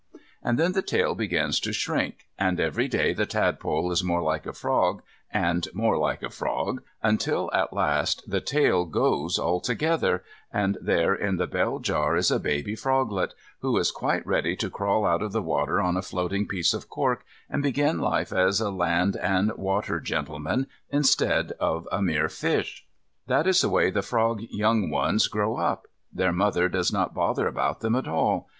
And then the tail begins to shrink, and every day the tadpole is more like a frog, and more like a frog, until, at last, the tail goes altogether, and there in the bell jar is a baby froglet, who is quite ready to crawl out of the water on a floating piece of cork, and begin life as a land and water gentleman instead of a mere fish. That is the way the frog young ones grow up. Their mother does not bother about them at all.